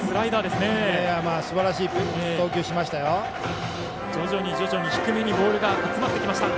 すばらしい投球しましたよ。